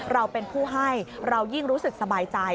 เราเป็นผู้ให้เรายิ่งรู้สึกสบายใจ